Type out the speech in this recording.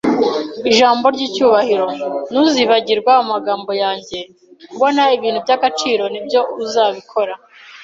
ijambo ry'icyubahiro. Ntuzibagirwa amagambo yanjye; 'Kubona ibintu by'agaciro nibyo uzabikora